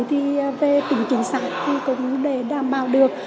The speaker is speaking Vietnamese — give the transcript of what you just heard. thì về tính chính xác thì cũng để đảm bảo được